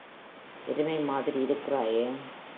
எருமை மாதிரி இருக்கிறாயே.